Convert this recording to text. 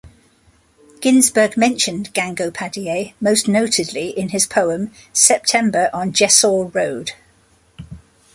Ginsberg mentioned Gangopadhyay most notedly in his poem September on Jessore Road.